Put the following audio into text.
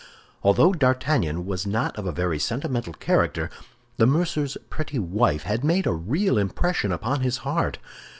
Although D'Artagnan was not of a very sentimental character, the mercer's pretty wife had made a real impression upon his heart.